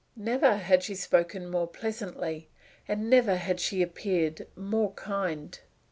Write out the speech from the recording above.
Never had she spoken more pleasantly, and never had she appeared more kind.